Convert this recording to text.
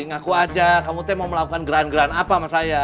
ngaku aja kamu mau melakukan geran geran apa sama saya